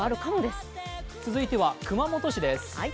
続いては熊本市です